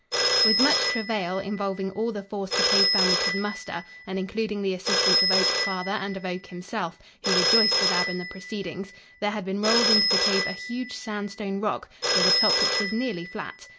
With much travail, involving all the force the cave family could muster and including the assistance of Oak's father and of Oak himself, who rejoiced with Ab in the proceedings, there had been rolled into the cave a huge sandstone rock with a top which was nearly flat.